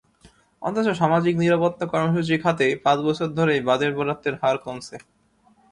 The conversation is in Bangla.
অথচ সামাজিক নিরাপত্তা কর্মসূচি খাতে পাঁচ বছর ধরেই বাজেট বরাদ্দের হার কমছে।